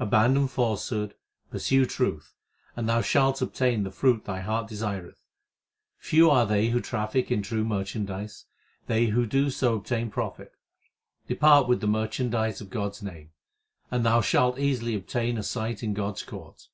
Abandon falsehood, pursue truth, And thou shalt obtain the fruit thy heart desireth. Few are they who traffic in true merchandise ; they who do so obtain profit. Depart with the merchandise of God s name, And thou shalt easily obtain a sight of God s court.